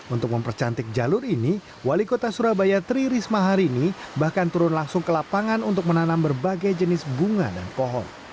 untuk mempercantik jalur ini wali kota surabaya tri risma hari ini bahkan turun langsung ke lapangan untuk menanam berbagai jenis bunga dan pohon